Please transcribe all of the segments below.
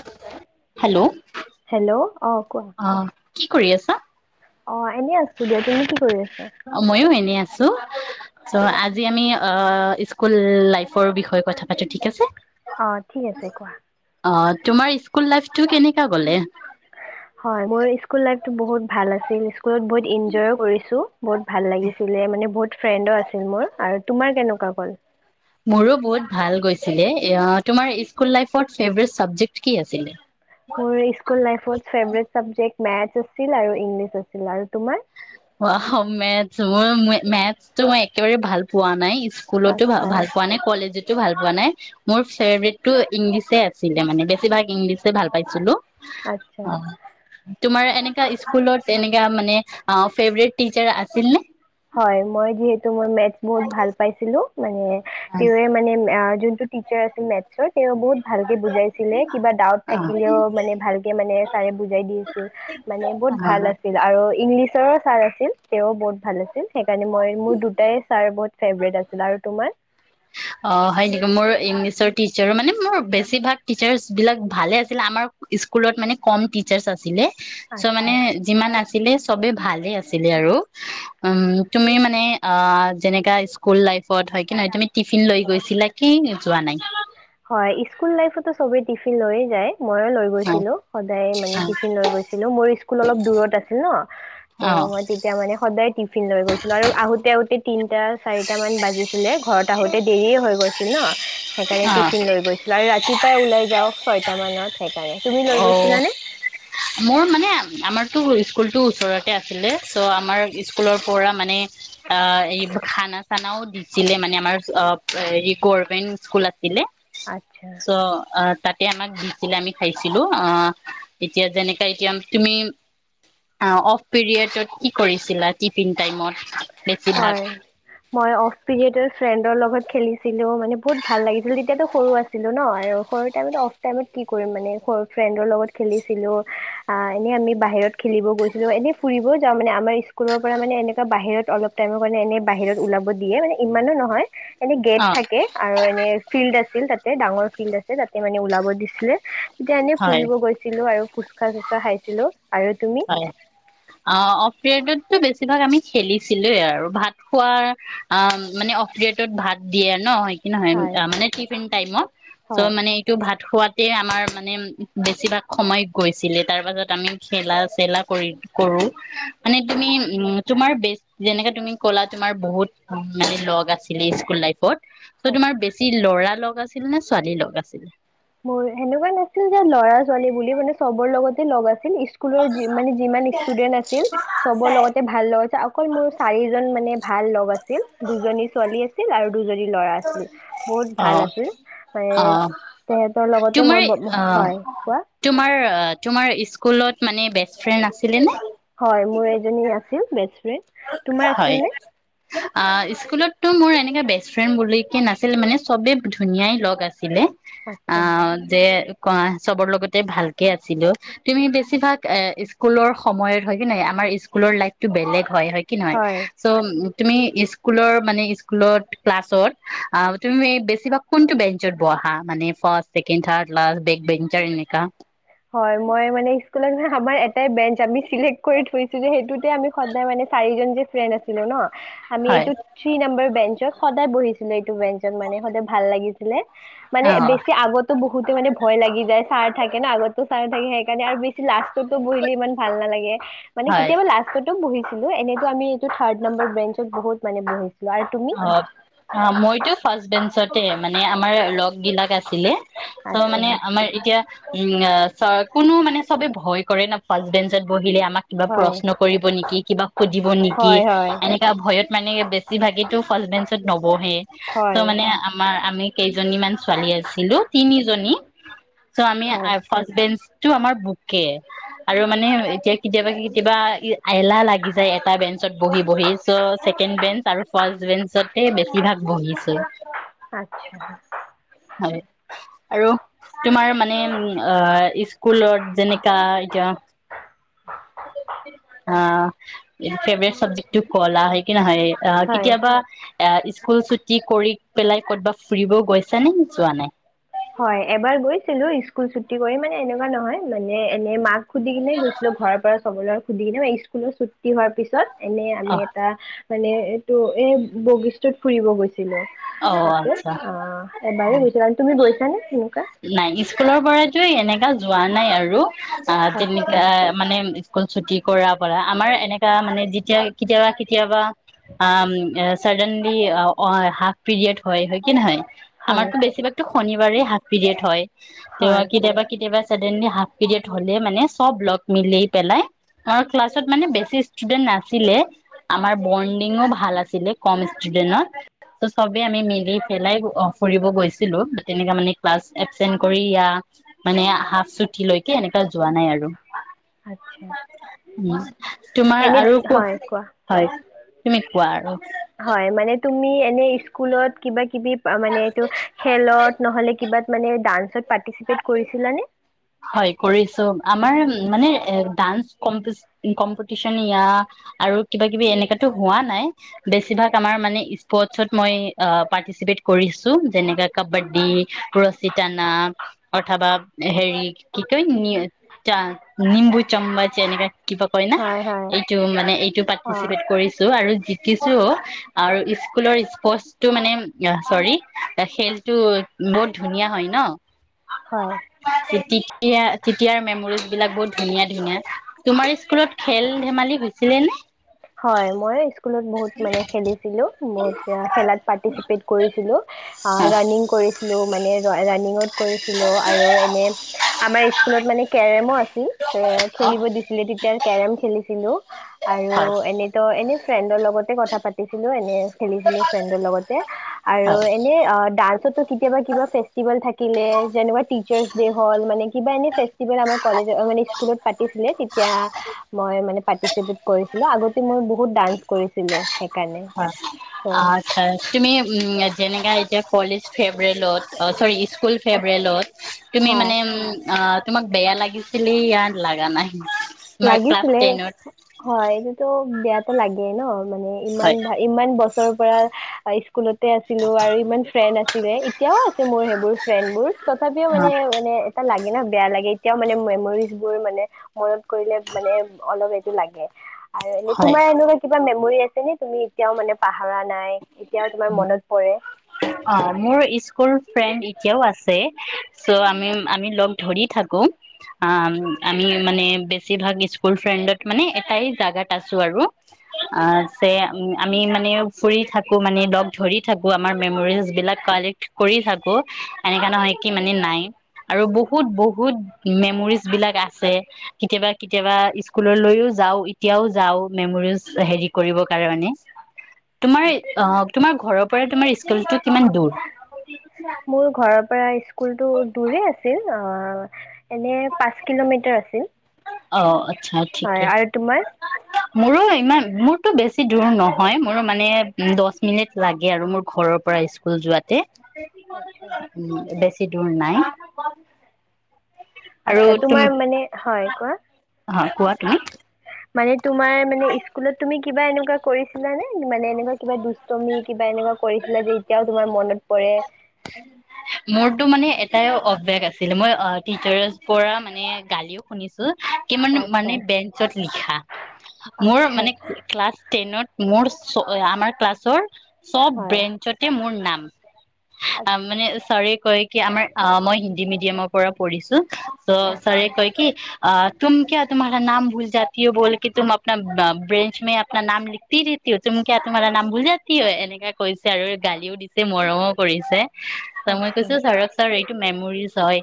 যে hello hello অ কোৱা অহ কি কৰি আছা অ এনে আছো দিয়া তুমি কি কৰি আছা অ ময়ো এনেই আছো চ আজি আমি অ স্ক স্কুল লাইফৰ বিষয়ে কথা পাতো ঠিক আছে। অ ঠিক আছে কোৱা অ তোমাৰ স্কুল লাইফটো কেনেকা গলে হয় মোৰ স্কুল লাইফটো বহুত ভাল আছিল। স্কুলত বহুত ইনজইও কৰিছো। বহুত ভাল লাগিছিলে মানে বহুত ফ্ৰেণ্ডো আছিল। মোৰ আৰু তোমাৰ কেনেকুৱা গ'ল মোৰো বহুত ভাল গৈছিলে। এইয়া তোমাৰ স্কুল লাইফত ফেভৰেট চাবজেক্ট কি আছিল মোৰ স্কুল লাইফৰ ফেভৰেট চাবজেক্ট মেৰ্টচ আছিল আৰু ইংলিছ আছিল আৰু তোমাৰ। উৱাউ মেৰ্টছ মই মেথছতো মই একেবাৰে ভাল পোৱা নাই স্কুলতো ভ আচ্ছা ভাল পোৱা নাই কলেজতো ভাল পোৱা নাই মোৰ ফেভৰেটটো ইংলিছে আছিলে মানে বেছিভাগ ইংলিছে ভাল পাইছিলো। অ আচ্ছা তোমাৰ এনেকা এয়া মানে অ ফেভৰেট টিচাৰ আছিল নে? হয় মই যিহেতু মই মেট বহুত ভাল পাইছিলো, মানে, তেওঁৱে মানে আ জোনটো টিচাৰ আছিল মেথছৰ তেওঁ বহুত ভালকে বুজাইছিলে, কিবা ডাউট থাকিলেও মানে ভালকে মানে ছাৰে বুজাই দি আছিল, মানে বহুত ভাল আছিল আৰু ইংলিছ ওচৰৰ ছাৰ আছিল, তেওঁ বহুত ভাল আছিল। ছিল সেইকাৰণে মই মোৰ, দুটাই ছাৰ বহুত ফেভৰেট আছিল আৰু তোমাৰ? অ' হয় নেকি, মোৰো ইংলিছৰ টিচাৰো, মানে মোৰ বেছিভাগ টিচাৰ্চ বিলাক ভালে আছিলে, আমাৰ স্কুলত মানে কম টিচাৰ্চ আছিলে। চ' আচ্ছা। মানে, যিমান আছিলে চবে ভালে আছিলে আৰু। উম। তুমি মানে, আ যেনেকা, স্কুল লাইফত হয় কি নাই, তুমি টিফিন লৈ গৈছিলা কি যোৱা নাই? হয়, স্কুল লাইফততো চবেই টিফিন লৈয়ে যায়। মইও লৈ গৈছিলো, অ সদায় মানে টিফিন লৈ গৈছিলো, মোৰ স্কুল অলপ দূৰত আছিল ন, ত' অ মই তেতিয়া মানে সদায় টিফ ফিন লৈ গৈছিলো, আৰু আহোঁতে আহোঁতে তিনটা চাৰিটা মান বাজিছিলে, ঘৰত আহোঁতে দেৰিয়ে হৈ গৈছিল ন। সেইকাৰণে টিফিন লৈ গৈছিলো, আৰু ৰাতিপাই ওলাই যাওঁ, ছয়টা মানত সেইকাৰণে, তুমি লৈ অ অ গৈছিলানে? মোৰ মানে আমাৰতো স্কুলতো ওচৰতে আছিলে, চ' আমাৰ স্কুলৰ পৰা মানে, আ, এই খানা চানাও দিছিলে মানে, আমাৰ আ, হেৰি গ'ভমেন্ট স্কুল আছিলে। আচ্ছা। চ', অ' তাত তে আমা দিছিলে, আমি খাইছিলো, আ' এতিয়া যেনেকা এতিয়া তুমি, অফ পিৰিয়ডত কি কৰিছিলা টিফিন টাইমত? বেছিভাগ হয়, মই অফ পিৰীয়ডত ফ্ৰেন দৰ লগত খেলিছিলো, মানে বহুত ভাল লাগিছিল, তেতিয়াতো সৰু আছিলো ন, আৰু সৰু টাইমত অফ টাইমত কি কৰিম মানে, সৰু ফ্ৰেণ্ডৰ লগত খেলিছিলো, এনেই আমি বাহিৰত খেলিব গৈছিলো, এনেই ফুৰিবও যাওঁ, মানে আমাৰ স্কুলৰ পৰা মানে এনেকুৱা বাহিৰত অলপ টাইমৰ কাৰণে এনে বাহিৰত ওলাব দিয়ে, মানে ইমানো নহয়। এনে গেট অ থাকে আৰু এনে ফিল্ড আছ ছিল তাতে ডাঙৰ ফিল্ড আছে, তাতে মানে ওলাব দিছিলে। এতিয়া এনেই হয় ফুৰিব গৈছিলো আৰু। ফুচকা-চুচকা খাইছিলো। হয়, অ', অফ পিৰিয়ডত টো বেছিভাগ আমি খেলিছিলোয়ে আৰু, ভাত খোৱা, আ', মানে অফপিৰিয়ডত ভাত দিয়ে ন, সেই কি নহয়, হয় মানে টিফিন টাইমত, হয় চ' মানে এইটো ভাত থোৱাতেই আমাৰ মানে বেছিভাগ সময় গৈছিলে, তাৰ পাছত আমি খেলা, চেলা কৰি-কৰো, মানে তুমি, উম', তোমাৰ বেচ, যেনেকে তুমি ক'লা তোমাৰ বহুত মানে লগ আছিলে স্কুল লাইফত, চ', তোমাৰ আচ্ছা বেছি ল'ৰালগ লগ আছিল নে ছোৱালী লগ আছিল? মোৰ সেনেকুৱা নাছিল যে ল'ৰা -ছোৱালী বুলি মানে চবৰ লগতে লগ আছিল। স্কুলৰ মানে যিমান ষ্টুডেন্ট আছিল চবৰ লগতে ভাল লগ, অকল মোৰ চাৰিজন মানে ভাল লগ আছিল। দুজনী ছোৱালী আছিল আৰু দুজনী ল'ৰা আছিল বহুত ভাল অ' আছিল মানে, অ' তে, তোমাৰ অ', তোমাৰ অ ', তোমাৰ স্কুলত মানে বেষ্ট ফ্ৰেণ্ড আছিলে নে? হয়, মোৰ এজনী আছিল বেষ্ট ফ্ৰেড। তোমাৰ আছিল নে? আঃ স্কুলততো মোৰ এনেকাে বেষ্ট ফ্ৰেণ্ড বুলি কে, নাছিল মানে চবে ধুনীয়াই লগ আছিল। আছিলে অ আচ্ছা যে, অ, চবৰ লগতে ভালকে আছিলো তুমি বেছিভাগ এ, স্কুলৰ সময়ত হয় কি নহয় আমাৰ স্কুলৰ লাইফতটো বেলেগ হয়। কি নহয় হয় চ', তুমি স্কুলৰ মানে স্কুলত ক্লাছত তুমি বেছিভাগ কোনটো বেঞ্চত বহা মানে ফাৰ্ষ্ট, ছেকেণ্ড, থাৰ্ড হয়, মই মানে স্কুলত যা আমাৰ এটাই বেঞ্চ আমি চিলেক্ট কৰি থৈছো যে, সেইটোতে আমি সদায় মানে চাৰিজন যে ফ্ৰেণ্ড আছিলো ন, ' আমি হয় এইটো থ্ৰী নম্বৰ, বেঞ্চত সদায় বহিছিলো, এইটো বেঞ্চত মানে সদায় ভাল লাগিছিলে। মানে অ বেছি আগতো বহুত, বহুতে মানে ভয় লাগি যায় চাৰ থাকে না আগত ত', চাৰ থাকে সেইকাৰণে আৰু বেছ, লাষ্টততো বহিলে ইমান ভাল নালাগে, মানে হয় কেতিয়াবা লাষ্টতো বহিছো হো এনেতো আমি, টো, থাৰ্ড নাম্বাৰ বেঞ্চত বহুত মানে বহি, অ ', -অ, 'মইতো ফাষ্ট বেঞ্চতে মানে আমাৰ লগ বিলাক আছে। চিলে চ ', আচ্ছা মানে আমাৰ এতিয়া উম', আ, ছা কোনো মানে চবে ভয় কৰে না পাঁচ দিন, চৈ বহিলে আমাক কিবা হয় প্ৰশ্ন কৰিব নেকি কিবা সুধিব নেকি হয় হয় এনেকা ভয়ত মানে বেছি ভাগে, [unintelligible] বহে ত', হয় মানে আমাৰ আমি, কেইজনীমান ছোৱালী আছিলো তিনিজনী চ' আমি আ হয় ফাৰ্ষ্ট বেঞ্চ টো আমাৰ বুকে আৰু মানে এতিয়া কেতিয়াবা কেতিয়াবা এলাহ লাগি যায় এটা বেঞ্চত বহি বহি চ' ছেকেণ্ড বেঞ্চ আৰু- ফাৰ্ষ্ট বেঞ্চতে বেছিভাগ বহিছো। আচ্ছা হয় আৰু তোমাৰ মানে স্কুলত যেনেকা এতিয়া অ ফেভৰেট চাবজেক্টটো কলা হয় কি নহয় অ হয় কেতিয়াবা এ স্কুল ছুটি কৰি পেলাই কতবা ফুৰিব গৈছা নে যোৱা নাই? হয় এবাৰ গৈছিলো স্কুল ছুটী কৰি মানে এনেকুৱা নহয় মানে এনে মাক সুধি কিনে গৈছিলো ঘৰৰ পৰা চবলৈ সুধি কিনে স্কুলৰ ছুটি হোৱাৰ পিছত- এনেই অ আমি এটা মানে এইটো এ বশিষ্ঠত ফুৰিব গৈছিলো। অ তাতে অ আচ্ছা এবাৰেই গৈছিলো আৰু তুমি গৈছ নাই স্কুলৰ পৰাইতো এনেকে যোৱা নাই আৰু অ আচ্ছা তেনেকা মানে স্কুল ছুটি কৰা আমাৰ এনেকা মানে যেতিয়া কেতিয়াবা কেতিয়াবা আ চাডেনলি অ হাফ- পিৰিয়ড হয়। হয় কি নহয়? হয় আমাৰতো বেছিভাগতো শনিবাৰে হাফ পিৰিয়ড হয়। হয় ত কেতিয়াবা কেতিয়াবা চাডেনলি হাফ পিৰিয়ড হ'লে মানে চব লগ মিলি পেলাই আমাৰ ক্লাছত মানে বেছি ষ্টুডেন্ট নাছিলে। আমাৰ বণ্ডিঙো ভাল আছিলে কম ষ্টুডেন্টত। চবে আমি মিলি পেলাই অ ফুৰিব গৈছিলো। উম আচ্ছা তোমাৰ এনে আৰু হয় কোৱা হয় তুমি কোৱা আৰু হয় মানে তুমি এনে স্কুলত কিবা কিবি- মানে এইটো খেলত নহলে কিবাত মানে ডান্সত পাৰ্টিচিপেট কৰিছিলানে হয় কৰিছো আমাৰ- মানে এ ডান্স কম্পিচ কম্পিটিচন ইয়া আৰু কিবা কিবি এনেকাতো হোৱা নাই বেছিভাগ আমাৰ মানে স্পৰ্টচত মই পাৰ্টিচিপেট কৰিছো। যেনেকা কাবাডী, ৰছী টানা- অথবা হেৰি কি কয় নি চা নিম্বু চাম্বাচ এনেকে- কিবা কয় না হয় হয় এইটো মানে এইটো অ পাৰ্টিচিপেট কৰিছো আৰু শিকিছো আৰু স্কুলৰ স্পৰ্টচ টো মানে চৰি খেলটো বহুত ধুনীয়া হয় ন। হয়। তেতিয়া তেতিয়াৰ মেমৰিজ বিলাক বহুত ধুনীয়া ধুনীয়া তোমাৰ স্কুলত খেল ধেমালি হৈছিলে নে? হয় মই, স্কুলত বহুত মানে খেলিছিলো বহুত খেলাত পাৰ্টিচিপেট কৰিছিলোঁ অ' ৰাণিং কৰিছিলোঁ মানে ৰানিঙত কৰিছিলো আৰু এনে আমাৰ স্কুলত মানে কেৰমো আছিল এ খেলিব দিছিলে তেতিয়া কেৰম খেলিছিল। ছিলো। আৰু হয় এনে ফ্ৰেণ্ডৰ লগ তে কথা পাতিছিলো এনে খেলছিলো ফ্ৰেন্ডৰ লগতে আৰু হয় এনে ডান্সটো কেতিয়াবা কিবা ফেষ্টেভল থাকিলে যেনেবা টিচচাৰ ডে হ'ল মানে কিবা এনে ফেষ্টিভেল আমাৰ কলেজ মানে স্কুলত পাতিছিলে তেতিয়া মই মানে পাৰ্টিচিপেট কৰিছিলো আগত মই বহুত ডান্স কৰিছিলো সেইকাৰণে হয় ত আচ্ছা তুমি উম যেনেকা এতিয়া কলেজ ফেব্ৰুৱেলত চৰি স্ক স্কুল ফেবৰেলত তুমি হয় মানে আ তোমাক বেয়া লাগিছিলি য়া লাগা নাই। তোমাৰ ক্লাছ লাগিছিলে টেনত হয় সেইটো বেয়া লাগে ন। মানে ইমান হয় ইমান বছৰৰ পৰা স্কুলতে আছিলো আৰু ইমান ফ্ৰেণ্ড আছিলে এতিয়াও আছে মোৰ সেইবোৰ ফ্ৰেণ্ড বোৰ তথাপিও মানে অ' মানে এটা লাগ। মানে বেয়া লাগে এতিয়াও মানে মেমৰিজ বোৰ মানে মনত কৰিলে মানে অলপ এইটো লাগে। আৰু এনে হয়। তোমাৰ এনেকুৱা কিবা মেমৰি আছে। নে তুমি এতিয়াও মানে পাহা ধৰা নাই এতিয়াও তোমাৰ মনত পৰে। অ মোৰ স্কুল ফ্ৰেণ্ড এতিয়াও আছে চ' আমি আমি লগ ধৰি থাকো অ আমি মানে বেছিভাগ স্কুল ফ্ৰেণ্ডত মানে এটাই জাগাত আছো আৰু অ যে আমি মানে ফুৰি থাকো মানে লগ ধৰি থাকো। আমাৰ মেমৰিজ বিলাক কালেক্ট কৰি থাকো এনেকা নহয় কি মানে নাই আৰু বহুত বহুত মেমৰিজ বিলাক আছে কেতিয়াবা কেতিয়াবা স্কুললৈও যাও এতিয়াও যাও মেমৰিজ হেৰি কৰিব কাৰনে। তোমাৰে আচ্ছা অ তোমাৰ ঘৰৰ পৰা তোমাৰ স্কুলটো কিমান দূৰ? মোৰ ঘৰৰ পৰা স্কু স্কুলটো দূৰেই আছে। হেই অ এনে পাঁচ কিলোমিটাৰ আছিল। অ আচ্ছা ঠিকে। হয় আৰু তোমাৰ? মোৰো ইমান মোৰতো বেছি দূৰো নহয়, মোৰো মানে দচ মিনিট লাগে আৰু মোৰ ঘৰৰ পৰা স্কুল যোৱাতে। আচ্ছা উম বেছি ছি দূৰ নাই। আৰু আচ্ছা তুম তোমাৰ মানে, হয় কোৱা? অ কোৱা তুমি মানে তোমাৰ মানে স্কুলত তুমি কিবা এনেকুৱা কৰিছিলানে? মানে এনেকুৱা কিবা দুষ্টমি কিবা এনেকুৱা কৰিছিলা যে এতিয়াও তোমাৰ মনত পৰে? মোৰতো মানে এটাই অভ্যাস আছিল মই অ টিচাৰছ পৰা মানে গালিও শুনিছো কি মানে - মানে আচ্ছা বেঞ্চত লিখা। মোৰ আচ্ছা মানে ক্লাছ টেনত মোৰ‌ চ' আমাৰ ক্লাছৰ চব হয় বেঞ্চতে মোৰ নাম। অ' আচ্ছা মানে চাৰে কয় কি আমাৰ অ মই হিন্দী মিডিয়ামৰ পৰা পঢ়িছো ত' চাৰে আচ্ছা কয় কি অ' তুম কিয়া তুমহাৰা নাম ভূল যাতি হো বোলকে তুম অপনা ব - ব্ৰেঞ্চ মে অপনা নাম লিখতি ৰেহতি হ', তুম কিয়া তুমাহাৰা নাম ভূল যি হ', এনেকা কৈছে আৰু গালিও দিছে মৰমো কৰিছে। ত' মই আচ্ছা কৈছো ছাৰক ছাৰ টো মেমৰিজ হয়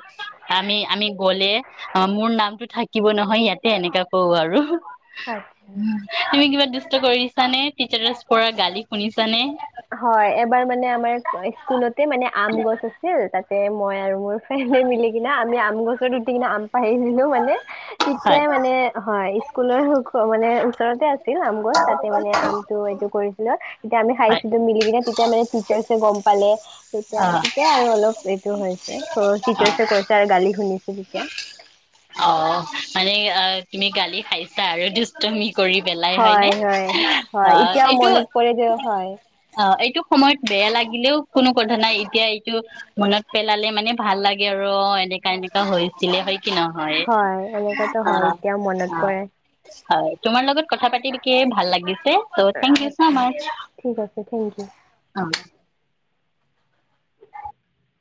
আমি - আমি গলে অ মোৰ নামটো থাকিব নহয় ইয়াতে এনেকা কব আৰু। আচ্ছা তুমি কিবা দুষ্ট কৰিছানে? টিচাৰছ পৰা গালি শুনিছানে? হয়। এবাৰ মানে আমাৰ স্কুলতে মানে আম গছ আছিল তাত এ মই আৰু মোৰ মিলি কিনা আমি আম গছত উঠি কিনা আম পাৰি দিলো মানে হয়। তেতিয়াই মানে হয় স্কুলৰ সুখ মানে ওচৰতে আছ ছিল আম গছ তাতে মানে আমটো এইটো কৰিছিলো। এতিয়া আমি [unintelligible] হয় [unintelligible] তেতিয়া মানে টিচাৰ্ছে গম পালে। তেতিয়া, অ', তেতিয়া আৰু অলপ এইটো হৈছে চ' টিচাৰ্চে কৈছে আৰু গালি শুনিছো তেতিয়া। অহ। মানে অ তুমি গালি খাইছা আৰু দুষ্টামি কৰি পেলাই হয় নে? হয়, অ' এতিয়াও এইটো মনত পৰে যে হয়। অ' এইটো সময়ত বেয়া লাগিলেও কোনো কথা নাই, এতিয়া এইটো মনত পেলালে মানে ভাল লাগে আৰু অ এনেকা এনে হৈছিলে [unintelligible] কি নহয়, হয়, এনেকুৱাতো হয়, অ', এতিয়াও মনত অ', পৰে। হয়। তোমাৰ লগত কথা পাতি বিকিয়ে ভাল লাগিছে ত' থেংক ইউ চো আচ্ছা, মাচ ঠিক আছে, থেংক ইউ। [unintelligible]